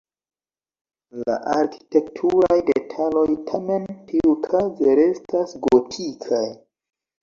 La arkitekturaj detaloj tamen tiukaze restas gotikaj.